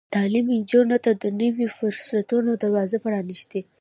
تعلیم نجونو ته د نويو فرصتونو دروازې پرانیزي.